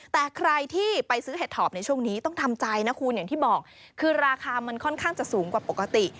แต่ใครที่ไปซื้อเห็ดถอบในช่วงนี้ต้องทำใจนะคุณอย่างที่บอกคือราคามันค่อนข้างจะสูงกว่าปกติ